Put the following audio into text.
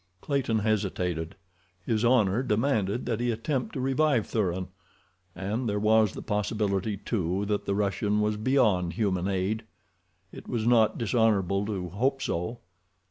Clayton hesitated. His honor demanded that he attempt to revive Thuran, and there was the possibility, too, that the Russian was beyond human aid. It was not dishonorable to hope so.